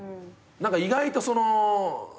意外とその。